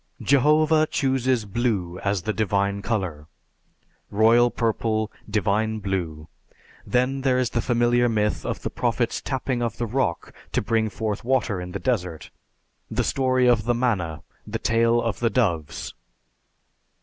Jehovah chooses Blue as the divine color. Royal Purple. Divine Blue. Then there is the familiar myth of the Prophet's tapping of the rock to bring forth water in the desert; the story of the manna; the tale of the doves.